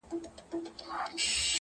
دا د باروتو د اورونو کیسې!